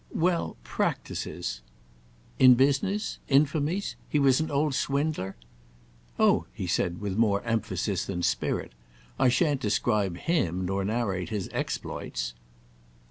"Well—practices." "In business? Infamies? He was an old swindler?" "Oh," he said with more emphasis than spirit, "I shan't describe him nor narrate his exploits."